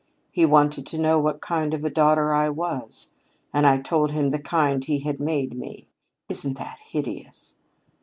He wanted to know what kind of a daughter I was, and I told him the kind he had made me. Isn't that hideous?